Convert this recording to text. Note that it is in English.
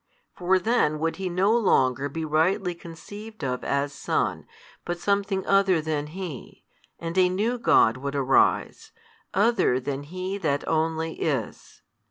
For then would He no longer be rightly conceived |148 of as Son, but something other than He, and a new god would arise, other than He That Only Is.